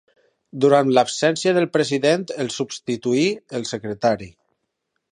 Durant l'absència del president, el substituí el secretari.